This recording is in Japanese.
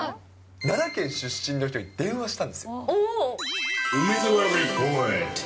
奈良県出身の人に電話したんですよ。